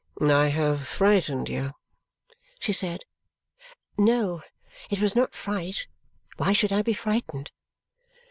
"I have frightened you?" she said. No. It was not fright. Why should I be frightened!